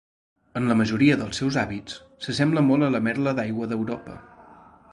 En la majoria dels seus hàbits, s'assembla molt a la merla d'aigua d'Europa.